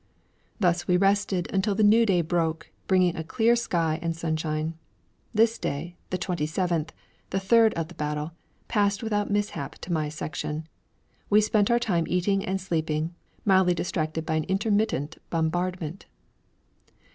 Thus we rested until the new day broke, bringing a clear sky and sunshine. This day, the 27th, the third of the battle, passed without mishap to my section. We spent our time eating and sleeping, mildly distracted by an intermittent bombardment.